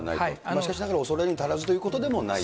しかしながら恐れるに足らずということでもないと。